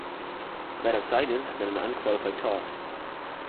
Better silence than an unqualified talk.